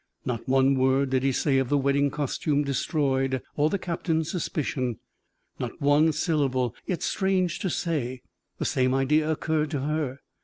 Not one word did he say of the wedding costume destroyed, or the captain's suspicion not one syllable; yet, strange to say, the same idea occurred to her.